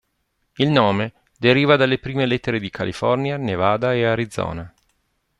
Il nome deriva dalla prime lettere di California, Nevada e Arizona.